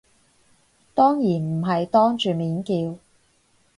當然唔係當住面叫